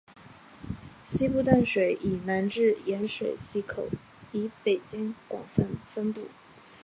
西部淡水以南至盐水溪口以北间广泛分布。